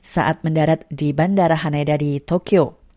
saat mendarat di bandara haneda di tokyo